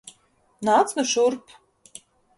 Nāc nu šurp!